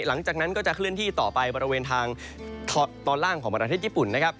หลังจากนั้นก็จะเคลื่อนที่ต่อไปบริเวณทางตอนล่างของประเทศญี่ปุ่นนะครับ